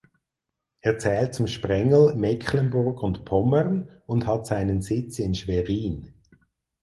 Er zählt zum Sprengel "Mecklenburg und Pommern" und hat seinen Sitz in Schwerin.